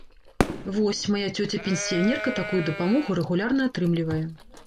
Вось, мая цёця-пенсіянерка такую дапамогу рэгулярна атрымлівае.